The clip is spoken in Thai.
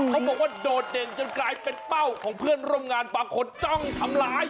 เขาบอกว่าโดดเด่นจนกลายเป็นเป้าของเพื่อนร่วมงานปากขนต้องทำร้าย